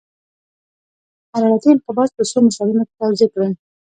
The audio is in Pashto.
حرارتي انقباض په څو مثالونو کې توضیح کړئ.